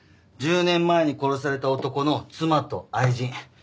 １０年前に殺された男の妻と愛人。